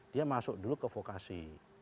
dia masuk dulu ke vokasi